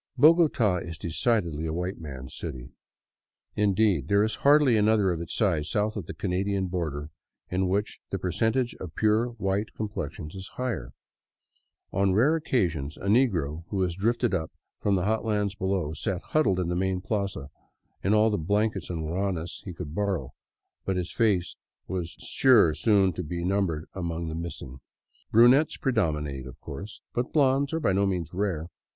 Bogota is decidedly a white man's city. Indeed there is hardly another of its size south of the Canadian border in which the per centage of pure white complexions is higher. On rare occasions a negro who had drifted up from the hot lands below sat huddled in the main plaza in all the blankets and ruanas he could borrow, but his face was sure soon to be numbered among the missing. Brunettes predominate, of course, but blonds are by no means rare.